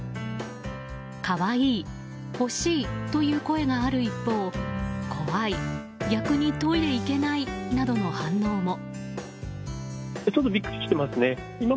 可愛い、欲しいという声がある一方怖い、逆にトイレ行けないなどの反応も。